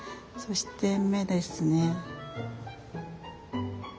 そして目ですね。